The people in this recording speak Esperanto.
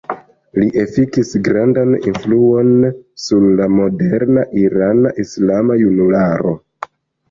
Li efikis grandan influon sur la moderna irana islama junularo.